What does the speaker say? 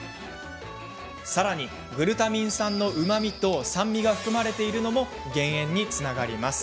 さらに、グルタミン酸のうまみと酸味が含まれているのも減塩につながります。